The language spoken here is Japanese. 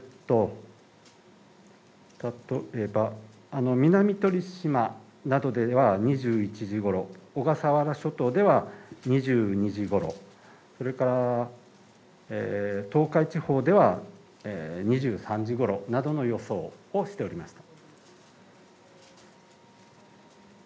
例えば、南鳥島などでは２１時ごろ小笠原諸島では２２時頃、それから東海地方では２３時ごろなどの予想をしております。